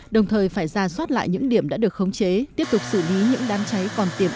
đồng thời phải ra soát lại những điểm đã được khống chế tiếp tục xử lý những đám cháy còn tiềm ẩn